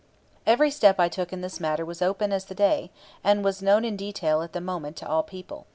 Every step I took in this matter was open as the day, and was known in detail at the moment to all people.